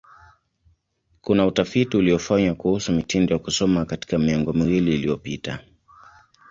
Kuna utafiti uliofanywa kuhusu mitindo ya kusoma katika miongo miwili iliyopita.